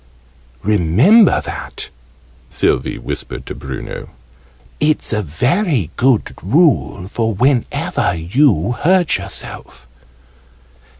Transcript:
"Remember that!" Sylvie whispered to Bruno, "It's a very good rule for whenever you hurt yourself."